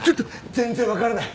全然わからない。